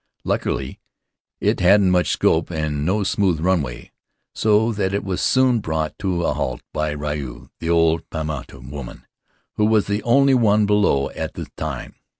Luckily it hadn't much scope and no smooth runway, so that it was soon brought to a halt by Ruau, the old Paumotuan woman, who was the only one below at the time.